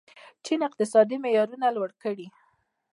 چین اقتصادي معیارونه لوړ کړي.